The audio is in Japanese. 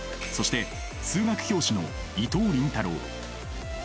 そして数学教師の伊藤倫太郎。